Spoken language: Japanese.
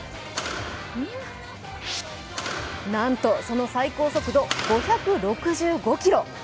なんとその最高速度、５６５キロ。